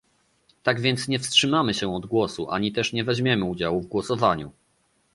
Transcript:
Tak więc nie wstrzymamy się od głosu, ani też nie weźmiemy udziału w głosowaniu